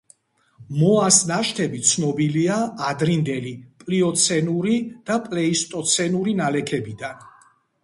მოას ნაშთები ცნობილია ადრინდელი პლიოცენური და პლეისტოცენური ნალექებიდან.